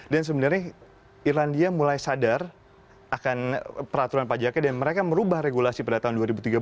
sebenarnya irlandia mulai sadar akan peraturan pajaknya dan mereka merubah regulasi pada tahun dua ribu tiga belas